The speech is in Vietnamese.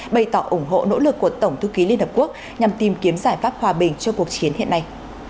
bày tỏ ủng hộ nỗ lực của tổng thư ký liên hợp quốc nhằm tìm kiếm giải pháp hòa bình cho cuộc chiến hiện nay